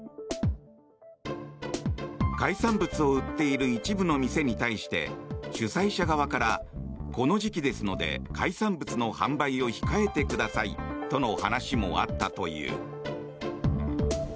海産物を売っている一部の店に対して主催者側からこの時期ですので海産物の販売を控えてくださいとの話もあったという。